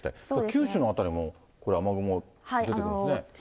九州の辺りもこれ、雨雲出てきますね。